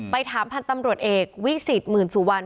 ไปถามพันธุ์ตำรวจเอกวิศิษฐ์หมื่นสู่วัน